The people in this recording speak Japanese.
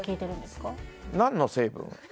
何の成分？